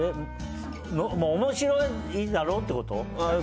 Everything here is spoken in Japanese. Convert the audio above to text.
面白いだろってこと？